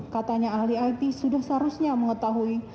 katanya ahli it sudah seharusnya mengetahui